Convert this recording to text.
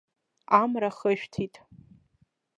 Амра хышәҭит.